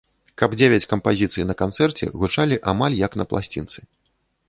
Каб дзевяць кампазіцый на канцэрце гучалі амаль як на пласцінцы.